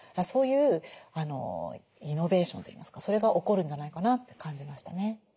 そういうイノベーションといいますかそれが起こるんじゃないかなって感じましたね。